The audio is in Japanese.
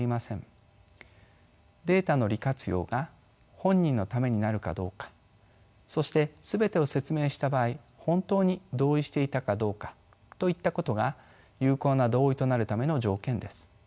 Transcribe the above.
データの利活用が本人のためになるかどうかそして全てを説明した場合本当に同意していたかどうかといったことが有効な同意となるための条件です。